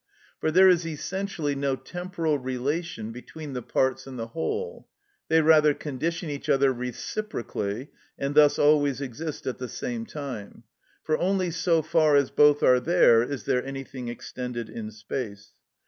For there is essentially no temporal relation between the parts and the whole; they rather condition each other reciprocally, and thus always exist at the same time, for only so far as both are there is there anything extended in space.